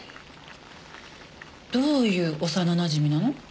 どういう幼なじみなの？